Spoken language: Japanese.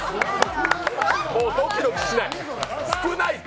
もうドキドキしない少ないて！